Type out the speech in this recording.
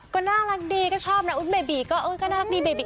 ก็น่ารักดีก็ชอบนะอุ๊ยเบบีก็น่ารักดีเบบี